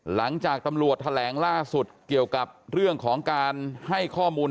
หลังจากตำรวจแถลงล่าสุดเกี่ยวกับเรื่องของการให้ข้อมูล